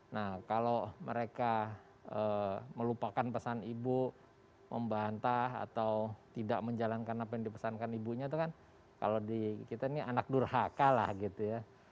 nah kalau mereka melupakan pesan ibu membantah atau tidak menjalankan apa yang dipesankan ibunya itu kan kalau di kita ini anak durhaka lah gitu ya